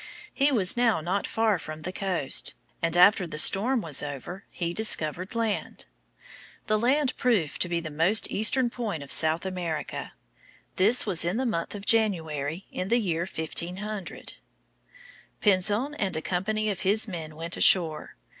He was now not far from the coast, and after the storm was over he discovered land. The land proved to be the most eastern point of South America. This was in the month of January, in the year 1500. Pinzon and a company of his men went ashore.